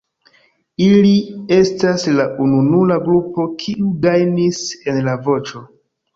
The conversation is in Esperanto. Ili estas la ununura grupo kiu gajnis en La Voĉo.